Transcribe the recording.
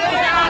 tuh usir kan